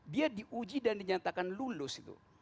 dia diuji dan dinyatakan lulus itu